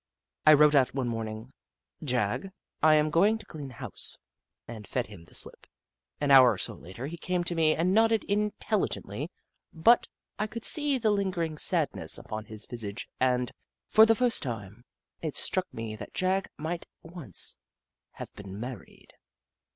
I wrote out one morning :" Jagg, I am going to clean house," and fed him the slip. An hour or so later he came to me and nodded in telligently, but I could see the lingering sadness upon his visage and, for the first time, it struck me that Jagg might once have been married.